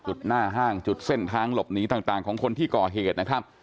หน้าห้างจุดเส้นทางหลบหนีต่างของคนที่ก่อเหตุนะครับ